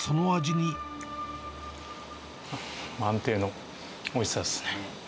安定のおいしさですね。